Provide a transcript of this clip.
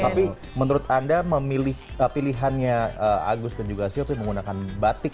tapi menurut anda memilih pilihannya agus dan juga silvi menggunakan batik